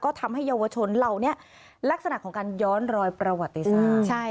ก็ทำให้เยาวชนเหล่านี้ลักษณะของการย้อนรอยประวัติศาสตร์